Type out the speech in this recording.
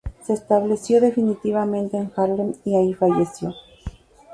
Se estableció definitivamente en Haarlem y allí falleció.